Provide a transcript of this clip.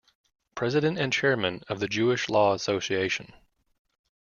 President and Chairman of the Jewish Law Association.